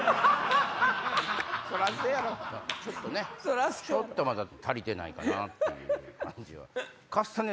ちょっとまだ足りてないかなっていう感じは。